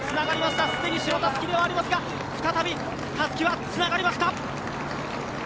すでに白たすきではありますが再びたすきはつながりました。